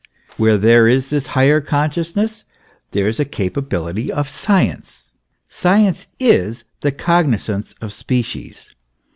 Where there is this higher consciousness there is a capability of science. Science is the cognizance of species.